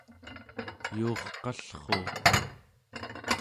yuurqallruuq